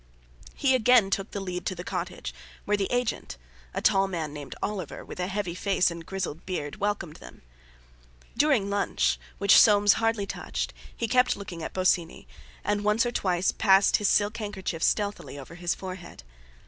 He again took the lead to the cottage, where the agent, a tall man named Oliver, with a heavy face and grizzled beard, welcomed them. During lunch, which Soames hardly touched, he kept looking at Bosinney, and once or twice passed his silk handkerchief stealthily over his forehead.